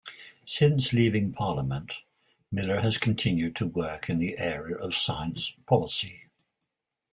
Since leaving Parliament Miller has continued to work in the area of science policy.